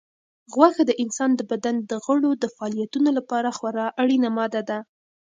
غوښه د انسان د بدن د غړو د فعالیتونو لپاره خورا اړینه ماده ده.